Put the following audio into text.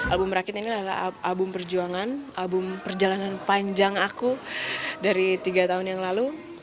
album rakit ini adalah album perjuangan album perjalanan panjang aku dari tiga tahun yang lalu